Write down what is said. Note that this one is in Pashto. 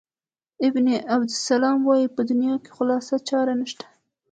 ابن عبدالسلام وايي په دنیا کې خالصه چاره نشته.